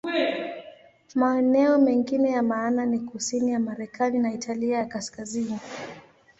Maeneo mengine ya maana ni kusini ya Marekani na Italia ya Kaskazini.